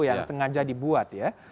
yang sengaja dibuat ya